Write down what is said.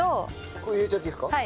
これ入れちゃっていいですか？